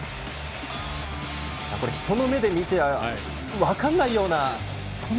人の目で見て分からないような。